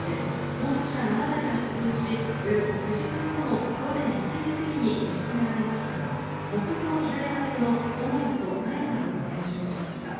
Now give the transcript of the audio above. ポンプ車７台が出動しおよそ９時間後の午前７時過ぎに消し止められましたが木造平屋建ての母屋と納屋などが全焼しました。